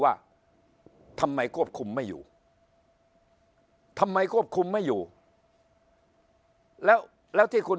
ว่าทำไมควบคุมไม่อยู่ทำไมควบคุมไม่อยู่แล้วแล้วที่คุณ